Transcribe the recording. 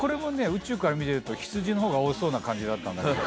宇宙から見てると羊の方が多そうな感じだったんだけど。